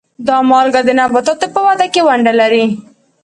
دا مالګه د نباتاتو په وده کې ونډه لري.